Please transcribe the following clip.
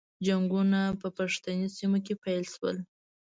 جنګونه په پښتني سیمو کې پیل شول.